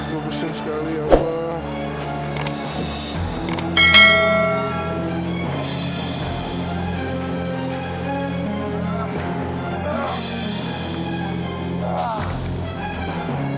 gue besar sekali ya allah